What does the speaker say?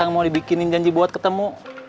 yang mau dibikinin janji buat ketemu